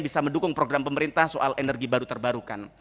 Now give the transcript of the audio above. bisa mendukung program pemerintah soal energi baru terbarukan